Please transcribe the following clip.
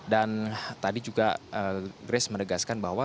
dan tadi juga grace menegaskan bahwa